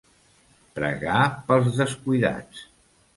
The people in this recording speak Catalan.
Pregar pels descuidats.